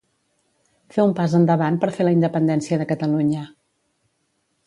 Fer un pas endavant per fer la independència de Catalunya.